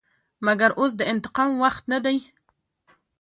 مګر اوس د انتقام وخت نه دى.